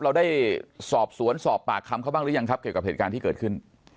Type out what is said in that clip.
เราได้สอบสวนสอบปากคำเขาบ้างหรือยังครับเกี่ยวกับเหตุการณ์ที่เกิดขึ้น